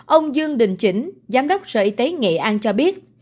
ông dương đình chỉnh giám đốc sở y tế nghệ an cho biết